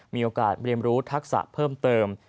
มีโอกาสเรียนรู้ทักษะเพิ่มเติม